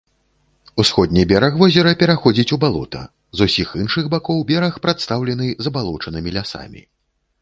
Усходні бераг возера пераходзіць у балота, з усіх іншых бакоў бераг прадстаўлены забалочанымі лясамі.